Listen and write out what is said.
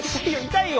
痛いよ！